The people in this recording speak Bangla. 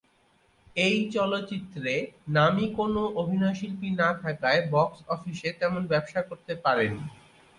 এই চলচ্চিত্রে নামী কোন অভিনয়শিল্পী না থাকায় বক্স অফিসে তেমন ব্যবসা করতে পারে নি।